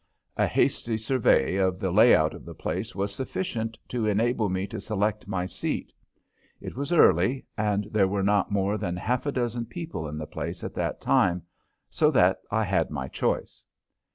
A hasty survey of the layout of the place was sufficient to enable me to select my seat. It was early and there were not more than half a dozen people in the place at that time, so that I had my choice.